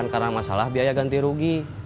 karena masalah biaya ganti rugi